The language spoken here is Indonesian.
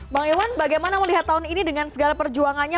bang iwan bagaimana melihat tahun ini dengan segala perjuangannya